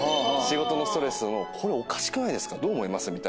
仕事のストレスのおかしくない？どう思います？